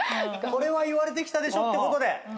これは言われてきたでしょってことで。